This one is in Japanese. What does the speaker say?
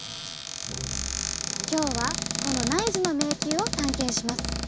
今日はこの内耳の迷宮を探検します。